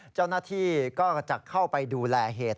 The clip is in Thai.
เจ้าหน้าที่ก็จะเข้าไปดูแลเหตุ